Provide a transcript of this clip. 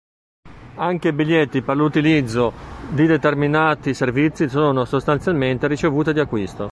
Anche i biglietti per l'utilizzo di determinati servizi sono sostanzialmente ricevute di acquisto.